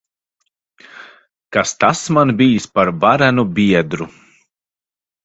Kas tas man bijis par varenu biedru!